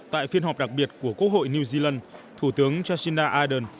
tại phiên họp đặc biệt của quốc hội new zealand thủ tướng jacinda ardern